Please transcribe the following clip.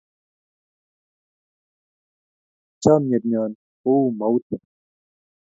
chamiet nyo ko u maute